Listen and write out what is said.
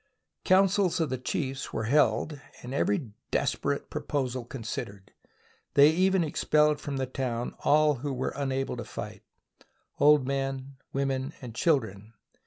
Councils of the chiefs were held and every des perate proposal considered. They even expelled from the town all who were unable to fight — old men, women, and children.